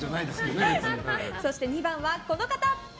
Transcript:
そして、２番はこの方。